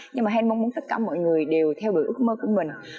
nhưng mà han mong muốn tất cả mọi người đều theo đuổi ước mơ của mình